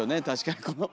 確かに。